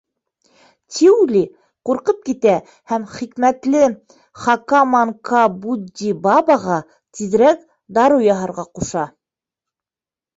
Тиули ҡурҡып китә һәм хикмәтле Хакаманкабудибабаға тиҙерәк дарыу яһарға ҡуша.